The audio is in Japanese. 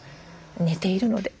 寝ているので。